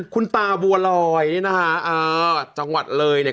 คุณตาบัวลอยนี่นะคะจังหวัดเลยเนี่ย